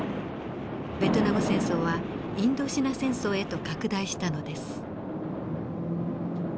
ベトナム戦争はインドシナ戦争へと拡大したのです。